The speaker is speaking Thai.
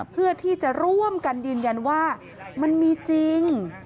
เพื่อที่จะร่วมกันยืนยันว่ามันมีจริง